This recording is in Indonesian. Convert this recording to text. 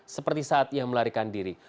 seperti saat ia melarikan diri